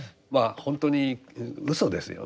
本当に嘘ですよね。